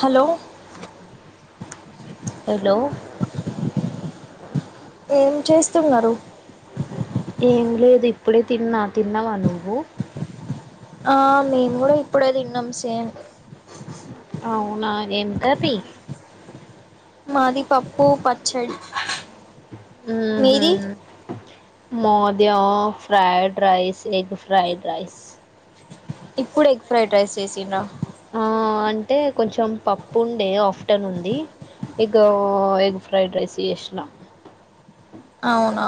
Hello hello ఏంచేస్తున్నారు ఏం లేదు ఇప్పుడే తిన్న తిన్నావా నువ్వు ఆ మేముగుడ ఇప్పుడే దిన్నం సేమ్ అవునా ఏం కర్రీ మాది పప్పు పచ్చడి ఊహు మీది మాద్యా fried rice egg fried rice ఇప్పుడ్ ఎగ్ ఫ్రైడ్ రైస్ చేసిర్రా ఆ అంటే కొంచెం పప్పుండే ఆఫ్టనున్దీ ఎగో ఎగ్ ఫ్రైడ్ రైస్ చేష్న అవునా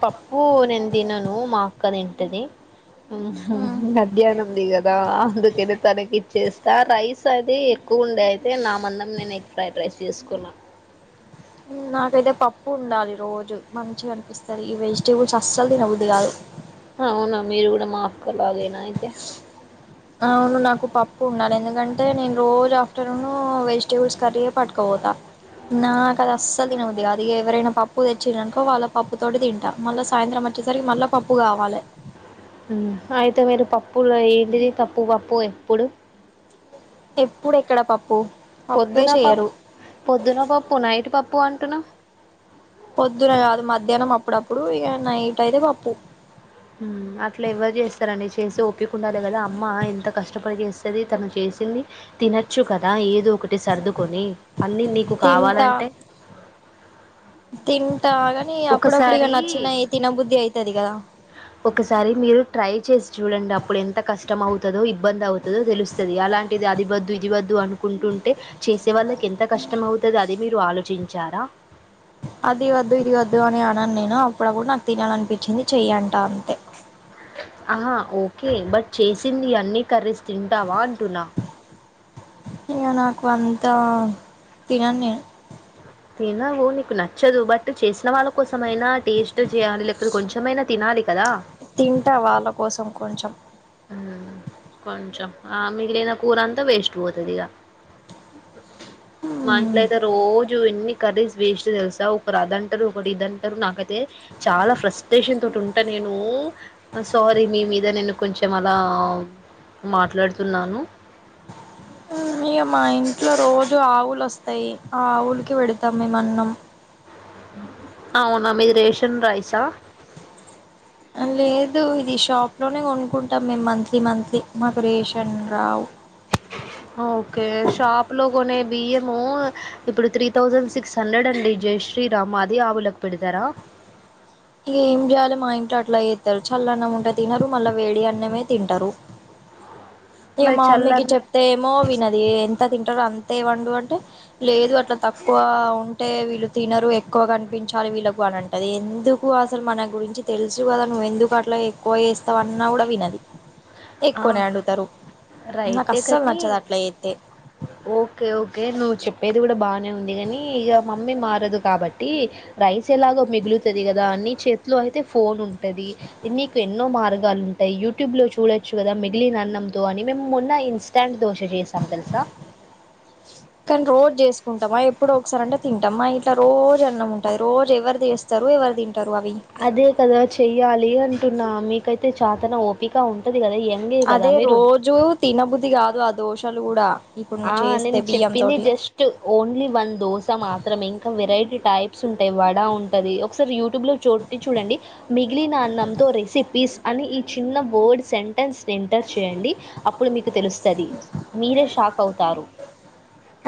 పప్పూ నేన్ తినను మా అక్క తింటది ఉ హు ఉమ్ మధ్యాహ్నంది గదా అందుకని తనకి ఇచ్చేస్తా రైస్ అది ఎక్కువ ఉండే అయితే నా మందం నేను ఎగ్ ఫ్రైడ్ రైస్ చేసుకున్న నాకైతే పప్పు ఉండాలి రోజు మంచిగా అనిపిస్తది ఈ వెజిటేబుల్స్ అస్సలు తినబద్ది కాదు అవునా మీరు కూడా మాఅక్క లాగేనా అయితే అవును నాకు పప్పు ఉండాలి ఎందుకంటే నేను రోజు ఆఫ్టర్నూన్ వెజిటేబుల్స్ కర్రీఎ పట్టుకపోత నాక అది అస్సలు తిన బుద్ధి గాదు ఇగ ఎవరైనా పప్పు తెచ్చిరనుకో వాళ్ళ పప్పు తోటి తింట మళ్ళ సాయంత్రం వచ్చేసరికి మళ్ళ పప్పు కావాలె అయితే మీరు పప్పులు ఏంటిది పప్పు పప్పు ఎప్పుడు ఎప్పుడు ఎక్కడ పప్పు పప్పే పొద్దున ప చేయరు పొద్దున పప్పు నైట్ పప్పు అంటున్నా పొద్దున గాదు మధ్యాహ్నం అప్పుడప్పుడు ఇగ నైట్ అయితే పప్పు హ్మ్ అట్ల ఎవరు చేస్తరండి చేసే ఓపికుండాలే గదా అమ్మ ఎంత కష్టపడి చేస్తది తను చేసింది తినొచ్చు కదా ఏదో ఒకటి సర్దుకొని అన్ని నీకు కావాలంటే తింటగని అప్పుడప్పుడు ఇగ ఒకసారి నచ్చినయి తినబుద్ధి అయితది గదా ఒకసారి మీరు ట్రై చేసి చూడండి అప్పుడు ఎంత కష్టం అవుతదో ఇబ్బంది అవుతుదో తెలుస్తు తది అలాంటిది అది వద్దు ఇది వద్దు అనుకుంటుంటే చేసే వాళ్ళకి ఎంత కష్టమవుతది అది మీరు ఆలోచించారా అది వద్దు ఇది వద్దు అని అనను నేను అప్పుడప్పుడు నాకు తినాలనిపించింది చెయ్యంట అంతే ఆహా ఓకే బట్ చేసింది అన్నీ కర్రీస్ తింటావా అంటున్నా ఇగ నాకు అంత తినన్ నేను తినవు నీకు నచ్చదు బట్ చేసిన వాళ్ళ కోసమైనా టేస్ట్ చేయాలి లేకపోతే కొంచెమైనా తినాలి కదా తింటా వాళ్ళ కోసం కొంచెం హ్మ్ కొంచెం ఆ మిగిలిన కూర అంతా వేస్ట్ పోతది ఇగ మా ఇంట్లో అయితే రోజు ఎన్ని కర్రీస్ వేస్ట్ తెలుసా ఒకరు అదంటరు ఒకరు ఇదంటరు నాకైతే చాలా ఫ్రస్టేషన్ తోటి ఉంటా నేను సారీ మీ మీద నేను కొంచెం అలా మాట్లాడుతున్నాను హ్మ్ ఇగ మా ఇంట్లో రోజు ఆవులు ఒస్తాయి ఆ ఆవులకి పెడతాం మేము అన్నం అవునా మీది రేషన్ రైసా లేదు ఇది షాప్ లోనే కొనుక్కుంటాం మేము మంత్లీ మంత్లీ మాకు రేషన్ రావు ఓకే షాప్ లో కొనే బియ్యము ఇప్పుడు త్రీ థౌసండ్ సిక్స్ హండ్రెడ్ అండి జయశ్రీరామ్ అదే ఆవులకు పెడతారా ఇ ఏం చేయాలి మా ఇంట్లో అట్లా చేత్తరు చల్ల అన్నం ఉంటే తినరు మళ్ళా వేడి అన్నమే తింటారు ఇగ మరి మా మమ్మీకి చల్లన్న చెప్తే ఏమో వినదు ఎంత తింటారు అంతే వండు అంటే లేదు అట్లా తక్కువ ఉంటే వీళ్ళు తినరు ఎక్కువ కనిపించాలి వీళ్ళకు అని అంటది ఏంది ఎందుకు అసలు మన గురించి తెలుసు కదా నువ్వు ఎందుకు అట్లా ఎక్కువ చేస్తవన్నా కూడా వినదు ఆ, ఎక్కువనే అడుగుతారు నాకు రైటే అస్సలు కానీ నచ్చదు అట్లా చేత్తే ఓకే ఓకే నువ్వు చెప్పేది కూడా బానే ఉంది కానీ ఇక మమ్మీ మారదు కాబట్టి రైస్ ఎలాగో మిగులుతుంది కదా అన్ని చేతిలో అయితే ఫోన్ ఉంటది నీకు ఎన్నో మార్గాలు ఉంటాయి యూట్యూబ్ లో చూ చూడొచ్చు కదా మిగిలినన్నంతో అని మేము మొన్న ఇన్స్టాంట్ దోశ చేసాం తెలుసా కానీ రోజు చేసుకుంటామా ఎప్పుడో ఒకసార అంటే తింటాం మా ఇంట్లా రోజు అన్నం ఉంటది రోజు ఎవరు చేస్తారు ఎవరు తింటారు అవి అదే కదా చెయ్యాలి అంటున్నా మీకైతే చాతన ఓపిక ఉంటంది కదా ఎ అదే రోజూ తినబుద్ధి కాదు ఆ దోషలు కూడా ఇప్పుడు ఆ నువ్వు చేస్తే నేను బియ్యం చెప్పింది తోటి జస్ట్ ఓన్లీ వన్ దోస మాత్రమే ఇంకా వెరైటీ టైప్స్ ఉంటాయి వడా ఉంటుంది ఒకసారి యూట్యూబ్ లో చూ ట్టి చూడండి మిగిలినన్నంతో రెసిపీస్ అని ఈ చిన్న వడ్ స న్స్ని ఎంటర్ చేయండి అప్పుడు మీకు తెలుస్తుంది మీరే షాక్ అవుతారు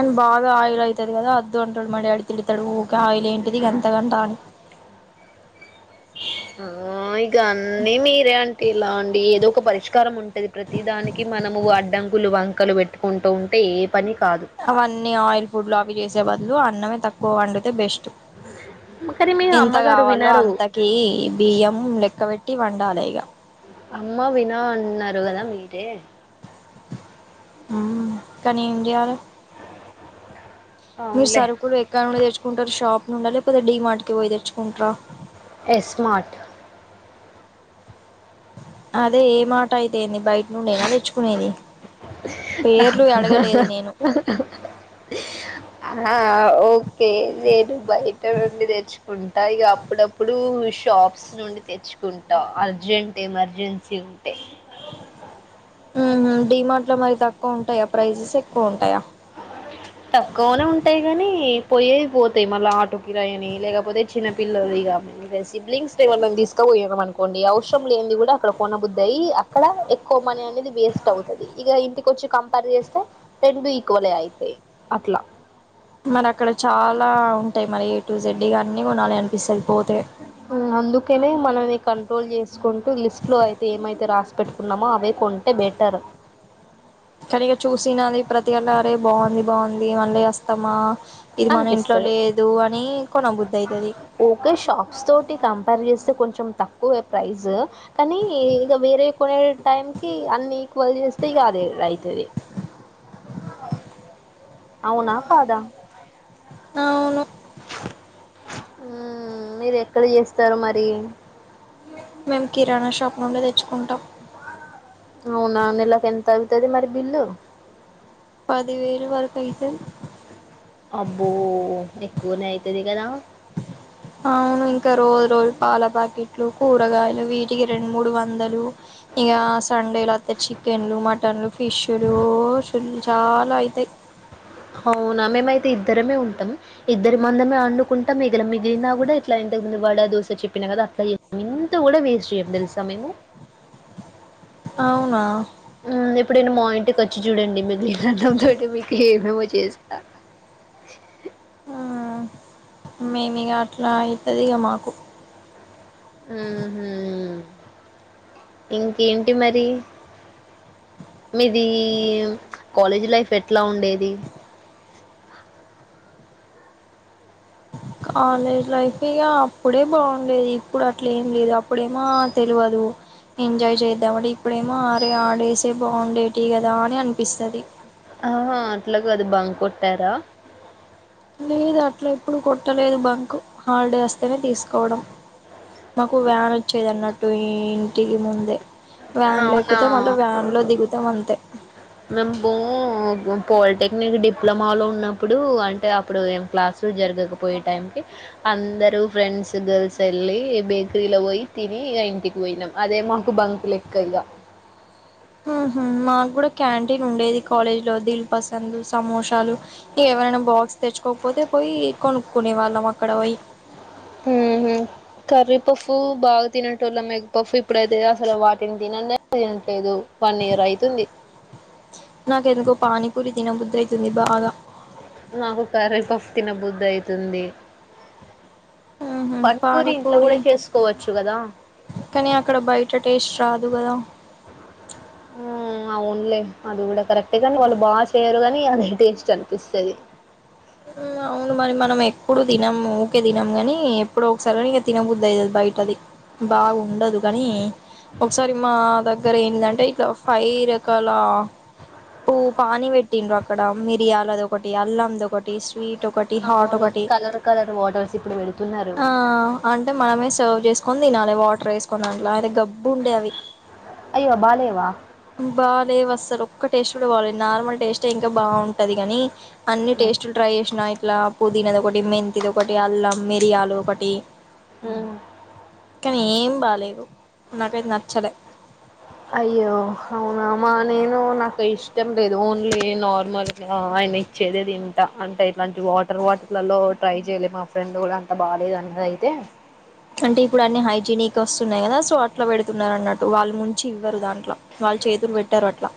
అని బాగా ఆయిల్ అవుతది కదా అద్దు అంటాడు మ డాడీ తిడతాడు ఊకె ఆయిల్ ఏంటిది గంతా గంతా అని ఆ ఇగ అన్నీ మీరే అంటే ఇలా అండి ఏదో ఒక పరిష్కారం ఉంట ప్రతి దానికి మనము అడ్డంకులు వంకలు పెట్టుకుంటూ ఉంటే ఏ పని కాదు అవన్నీ ఆయిల్ ఫుడ్లు అవి చేసే బదులు అన్నమే తక్కువ వండితే బెస్ట్ కానీ మీ ఎంత అమ్మగారు కావాలో వినరు అంతకి బియ్యం లెక్క పెట్టి వండాలి ఇక అమ్మా వినా అన్నారు కదా మీరే కానీ ఏం జేయలే మీరు అవునులే సరుకులు ఎక్కడ నుండి తెచ్చుకుంటారు షాప్ నుం లేకపోతే డి మార్ట్ కి పోయి తెచ్చుకుంటారా ఎస్మార్ట్ అదే ఏ మార్ట్ అయితేంది బయట ను నేనా తెచ్చుకునేది పేర్లు అడగలేదు నేను ఆ ఓకే లేను బయట నుండి తెచ్చ ఉంటాయి ఇక అప్పుడప్పుడు షాప్స్ నుండి తెచ్చుకుంటాం అర్జెంట్ ఎమర్జెన్సీ ఉంటే అది డిమార్ట్ లో మరి తక్కువ ఉంటాయా ప్రైజెస్ ఎక్కువ ఉంటాయా తక్కువనే ఉంటాయి కాగాని పోయేవి పోతాయి మళ్ళా ఆటో కిరాయని లేకపోతే చిన్న పిల్లలు ఇగా సిబ్లింగ్స్ ని మనం తీసుకపోయాం అనుకోండి అవసరం లే ఏది కూడా అక్కడ కొనబుద్ద్దయి అక్కడ మని అనేది వేస్ట్ అవుతుది ఇక ఇంటిక వచ్చి కంపేర్ చేస్తే రెండు ఈక్వల్ అవుతాయి అట్లా మరి అక్కడ చాలా ఉంటాయి మరి ఏ టు జెడ్డగా అన్ని కొనాలి అనిపిస్త పోతే అందుకేనే మనని కంట్రోల్ చేసుకుంటూ లిస్ట్ లో అయితే ఏమైతే రాసి పెెట్టుకు కున్నామో అవే కొంటే బెటర్ కనీక చూసినది ప్రతి అళ్లరే బాగుంది బాగుంది మళ్ళీ వస్తామా ఇది మన ఇంట్లో అనిపిస్తది లేదు అని కొనబుద్దు అయితది ఓకే షాప్స్ తోటి కంపేర్ చేస్తే కొంచెం తక్కువ ప్రైస్ కానీ ఇక వేరే కొనే టైం కి అన్ని ఈకువల్ చేస్తే ఇగా అదే రైతది [inaudible] అవునా కాదా అవును ఉమ్మ్ మీరు ఎక్కడ చేస్తారు మరి మేము కిరాణా షాప్ లోనే తెచ్చుకుంటాం అవునా నెలకి ఎంత అవుతుది మరి బిల్లు పదివేలు వరకు అతయితయ్ అబ్బో ఎక్కువనే అయితది కదా అవును ఇంకా రోజు రోజు పాల ప్యాకెట్లు కూరగాయలు వీటికి రెండు మూడు వందలు ఇక సండేలు అస్తే చికెన్లు మటన్లు ఫిష్లు చాలా అయితయి అవునా మేమయితే ఇద్దరమే ఉంటాం ఇద్దరు మందమే అండుకుంటా మిగిలి మిగిలిన కూడా ఇట్లా ఇంతకుందు వడ దోశ చెప్పినా కదా అట్లా ఇంత కూడా వేస్ట్ చేయమ్ తెలుస మేము అవునా ఊ ఎప్పుడన్నా మా ఇంటికి వచ్చి చూడండి మీ దన తో మీకు ఏమేమో చేస్తా ఆ మేము ఇగ అట్లా అయితది ఇక మాకు ఊహు ఇంకేంటి మరి మీది కాలేజ్ లైఫ్ ఎట్లా ఉండేది కాలేజ్ లైఫ్ ఇగ అప్పుడే బాగుండేది ఇప్పుడు అట్ల ఏం లేదు ఇప్పుడేమో తెల్వదు ఎంజాయ్ చేద్దాం అంటే ఇప్పుడేమో ఆరే ఆడేసే బాగుండేటి కదా అని అనిపిస్తది ఆహా అట్లా గాదు బంక్ కొట్టారా లేదు అట్లా ఎప్పుడు కొట్టలేదు బంక్ హాలిడే వస్తేనే తీసుకోవడం మాకు వ్యాన్ వచ్చేది అన్నట్టు ఈ ఇంటికి ముందు వ్యాన్ లో అవునా! ఎక్కుతే మళ్ళా వ్యాన్ లో దిగుతాం అంతే మేము బో పాలిటెక్నిక్ డిప్లొమాలో ఉన్నప్పుడు అంటే అప్పుడు ఏం క్లాస్ ఉ జరగకపోయే టైం కి అందరు ఫ్రెండ్స్ గర్ల్స్ వెళ్ళి బేకరీలో పోయి తిని ఇంటికి పోయినమ్ అదే మాకు బంకులెక్క ఇగ ఊహు మాకు కూడా క్యాంటీన్ ఉండేది కాలేజ్ లో దిల్ పసంద సమోసాలు ఇక ఎవరైనా బాక్స్ తెచ్చుకోకపోతే పోయి కొనుక్కునే వాళ్ళం అక్కడ పోయి ఊహు కర్రీ పఫ్ బాగా తినటోల్లం ఎగ్ పఫ్ ఇప్పుడైతే అసలు వాటిని ట్లేదు వన్ ఇయర్ అవుతుంది నాక ఎందుకో పానీపూరి తినబుద్ధి అవుతుంది బాగా నాకు కరీపఫ్ తినబుద్ధి అయితుంది పనిపూరి ఇంట్లో పానీపూరి కూడా చేసుకోవచ్చు కదా కానీ అక్కడ బయట టేస్ట్ రాదు కదా ఊ ఆ అవున్లే అది కూడా కరెక్టే కానీ వాళ్ళు బాగా చేయరు కానీ అదే టేస్ట్ అనిపిస్తుంది ఉ అవు అవును మరి మనం ఎప్పుడూ తినమ్ ఊకే తినమ్ కానీ ఎప్పుడో ఒకసారి తినబుద్ధి అవుతది బయటది బాగుండదు కానీ ఒకసారి మా దగ్గర ఎందంటే పైరెకల పూ పానీ పెట్టిండ్రు అక్కడ మిరియాలదొకటి అల్లమ్ దొకటి స్వీట్ స్వీట్ ఒకటి హార్ట్ అవును ఒకటి కలర్ కలర్ వాటర్స్ ఇప్పుడు పెడుతున్నారు ఆ అంటే మనమే సర్వ్ చేసుకొని తినాలి వాటర్ వేసుకని దాంట్లో అయిన గబ్బు ఉండే అవి అయ్యో బాలేవ బాలేవు అస్సలు ఒక్క టేస్ట్ కూడా బాలేవు నార్మల్ టేస్ట్ ఇంకా బాగుంటది కాని అన్ని టేస్ట్లు ట్రై చేసినా ఇట్ల పుదీనాదొకటి మెంతీది ఒకటి అల్లం మిరియాలు ఒకటి ఊ కానీ ఏం బాలేదు నాకైతే నచ్చలే అయ్యో అవునామ్మా నేను నాకు ఇష్టం లేదు ఓన్లీ నార్మల్ ఆ ఆయన ఇచ్చేదే తింట అంటే ఇట్లాంటి వాటర్ వాటిర్లలో ట్రై చేయ్యలే మా ఫ్రెండ్ కూడా అంతా బాలేదు అన్నది అయితే అంటే ఇప్పుడు అన్ని హైజీనిక్ వస్తున్నాయి కదా సో అట్లా పెడుతున్నారు అన్నట్టు వాళ్ళు ముంచి ఇవ్వరు దాంట్లో వాళ్ళు చేతులు పెట్టారు అట్లా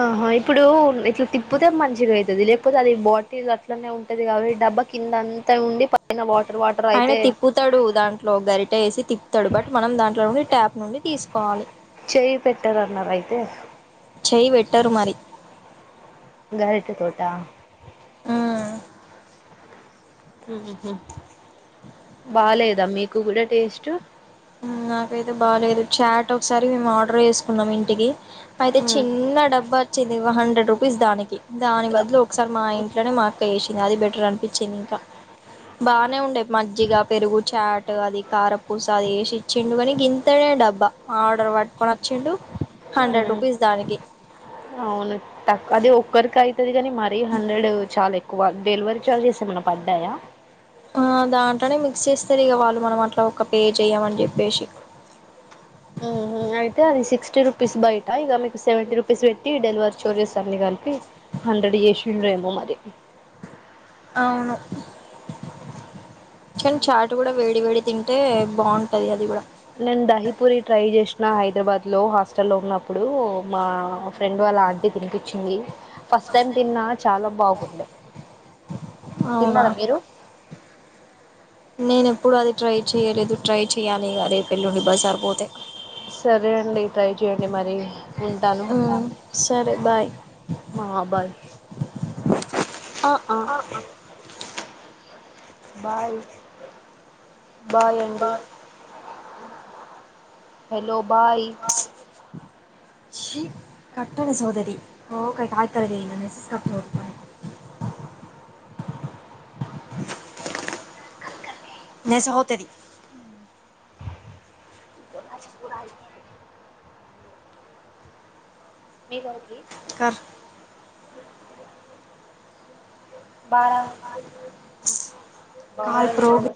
ఆహ ఇప్పుడు ఇట్లా తిప్పతే మంచిగా అవుతుంది లేకపోతే అది బాటిలు అట్లనే ఉన్ తది కాదూ డబ్బ కింద అంతా ఉండి పైన వాటర్ వాటర్ అయన అయితే తిప్పు తడు దాంట్లో గరిట ఏసి తిప్తడు బట్ మనం దాంట్లో నుండి ట్యాప్ నుండి తీసుకోవాలి. చేయి పెట్టరన్నరు అయితే చేయి పెట్టరు మరి గరిటె తోటా ఉమ్ ఉహు బాలేదా మీకు గుడ టేస్టు ఉమ్ నాకైతే బాలేదు, చాట్ ఒకసారి మేము ఆర్డర్ చేసుకున్నం ఇంటికి అయితే చిన్న డబ్బా అచ్చింది హండ్రెడ్ రూపీస్ దానికి, దానికి బదులు ఒకసారి మా ఇంట్లనే మాక్క చేసి ఇగ అది బెటర్ అనిపించింది ఇంకా, బానే ఉండే మజ్జిగా చాటు అది కారపూస అది ఏశిచ్చిండు కనీ గంతనే డబ్బా ఆర్డర్ పట్టుకొని వచ్చిండు హండ్రెడ్ రూపీస్ దానికి అవును తక్కు అది ఒక్కరికి ఐతది గని మరీ హండ్రెడ్ చాలా ఎక్ కువ డెలివరీ ఛార్జెస్ ఏమైన్న పడ్డాయా? ఆ దాంట్లోనే మిక్స్ చేస్తరు ఇగ వాళ్ళు మనం అట్ల ఒక పే చెయమని చెప్పేసి. ఇగ అయితే అది సిక్స్టీ రూపీస్ బయట, ఇగ మీకు సెవెంటీ రూపీస్ పెట్టి డెలివరీ చోర్జెస్ అన్ని కలిపి హండ్రెడ్ చేశిరేమో మరి అవును కనీ చాటు గుడ వేడి వేడి తింటే బాగుంటది అది గుడ నేను దహీపూరి ట్రై చేసిన హైదరాబాద్ లో హాస్టల్ల్లో ఉన్నప్పుడు మా ఫ్రెండ్ వాళ్ళ ఆంటీ తినిపిచ్చింది ఫస్ట్ టైం తిన్నా చాలా బాగుండే, అవునా తిన్నరా మీరు? నేను ఎప్పుడు అది ట్రై చెయలేదు ట్రై చెయాలిగ రేపు ఎల్లుండి బజార్ పోతే సరే అండి ట్రై చేయండి మరి ఉంటాను. సరే బాయ్ మా బాయ్ ఆ ఆ బాయ్ బాయండి హలో బాయ్ చీ కట్టస్ నేసేహూత్ ఎత్తి ఓ కాయి కాయ్ కరతే ఇనో నెసేస్ మెసేజ్ కట్ హూత్ పన్య నేసే హూత్ తేత్తి పయి మీ కొరుకి కర్ బారా పంధ్రా మింట హో